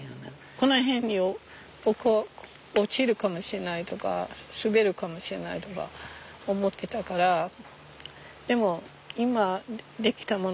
この辺に落ちるかもしれないとか滑るかもしれないとか思ってたからでも今出来たもの